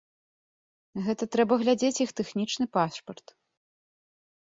Гэта трэба глядзець іх тэхнічны пашпарт.